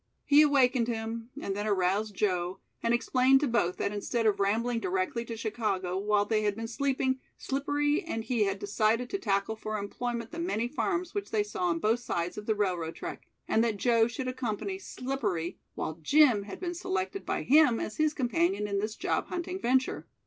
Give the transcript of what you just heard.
He awakened him and then aroused Joe, and explained to both that instead of rambling directly to Chicago, while they had been sleeping, Slippery and he had decided to tackle for employment the many farms which they saw on both sides of the railroad track, and that Joe should accompany Slippery, while Jim had been selected by him as his companion in this job hunting venture.